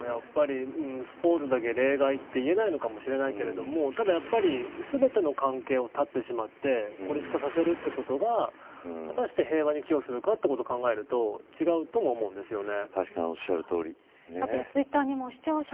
それを考えると、どうにかねまずは、戦争をやっぱりスポーツだけ例外といえないのかもしれないけれどただ、やっぱり全ての関係を絶ってしまって孤立化させることが果たして平和に寄与するかということを考えると違うとも思うんですよね。